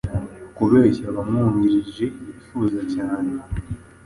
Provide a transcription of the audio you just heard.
Kubeshya abamwungirije yifuza cyane